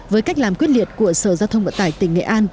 với cách làm quyết liệt của sở giao thông vận tải tỉnh nghệ an